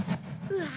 うわ！